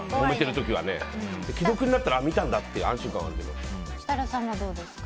既読になったら見たんだっていう設楽さんはどうですか？